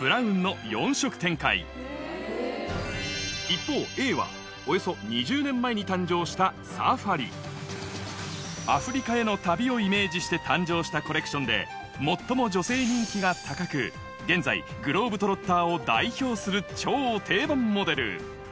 一方Ａはおよそ２０年前に誕生したをイメージして誕生したコレクションで最も女性人気が高く現在グローブ・トロッターを代表する超定番モデル